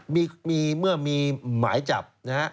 ทีนี้เมื่อมีหมายจับ